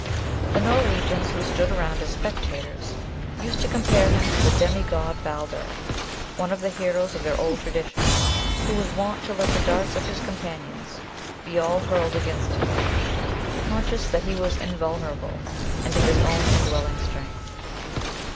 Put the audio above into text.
The Norwegians, who stood around as spectators, used to compare him to the demi god Baldur, one of the heroes of their old traditions, who was wont to let the darts of his companions be all hurled against him, conscious that he was invulnerable, and of his own indwelling strength.